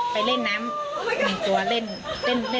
ไปเล่นน้ำหนึ่งตัวเล่น